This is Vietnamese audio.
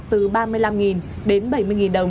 từ ba mươi năm đến bảy mươi đồng